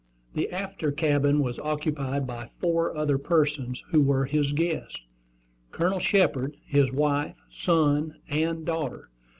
The after cabin was occupied by four other persons, who were his guests, Colonel Shepard, his wife, son, and daughter.